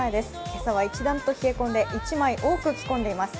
今朝は一段と冷え込んで１枚多く着込んでいます。